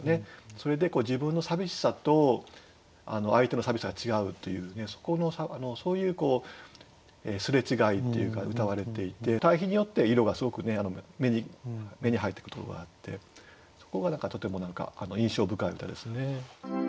それで自分のさびしさと相手のさびしさが違うというねそういう擦れ違いというかうたわれていて対比によって色がすごく目に入っていくところがあってそこがとても何か印象深い歌ですね。